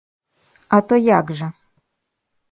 А то як жа!